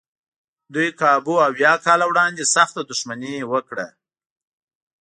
دوی کابو اویا کاله وړاندې سخته دښمني وکړه.